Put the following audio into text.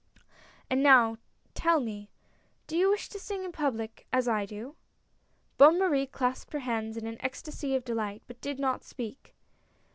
And now, tell me, do you wish to sing in public, as I do?" Bonne Marie clasped her hands in an ecstacy of delight, but did not speak.